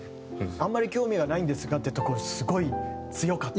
「あんまり興味がないんですが」というところすごい強かった。